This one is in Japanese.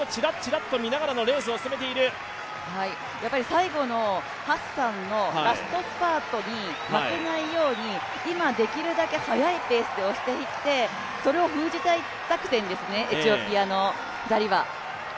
最後のハッサンのラストスパートに負けないように今できるだけ速いペースで押していってそれを封じたい作戦ですね、エチオピアの２人は。